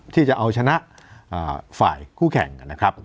ที่จะเอาชนะฝ่ายคู่แข่งนะครับ